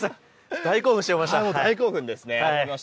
大興奮しちゃいました。